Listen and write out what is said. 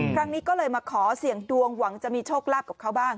ครั้งนี้ก็เลยมาขอเสี่ยงดวงหวังจะมีโชคลาภกับเขาบ้าง